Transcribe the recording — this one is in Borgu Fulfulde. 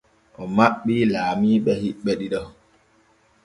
O maɓɓi laamiiɓe hiɓɓe ɗiɗo.